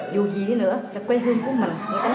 dù gì nữa là quê hương của mình cũng tốt hơn rồi đó